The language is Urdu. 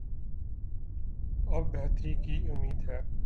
اب بہتری کی امید ہے۔